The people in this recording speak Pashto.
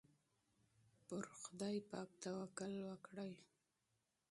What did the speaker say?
پر پاک خدای توکل وکړئ.